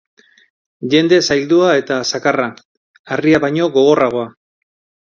Jende zaildua eta zakarra, harria baino gogorragoa.